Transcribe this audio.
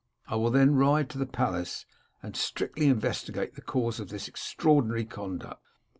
I will then ride to the palace, and strictly investigate the cause of this extraordinary conduct.